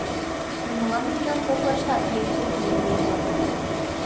Но молан мемнан коклаштат еҥ тӱрлӧ лиеда?